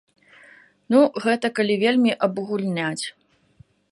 Ну, гэта калі вельмі абагульняць.